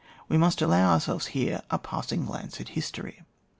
We must allow our selves here a passing glance at history.